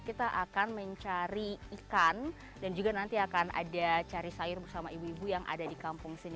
kita akan mencari ikan dan juga nanti akan ada cari sayur bersama ibu ibu yang ada di kampung sini